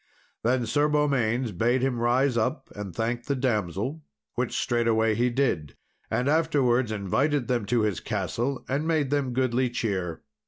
Then Sir Beaumains bade him rise up and thank the damsel, which straightway he did, and afterwards invited them to his castle, and made them goodly cheer.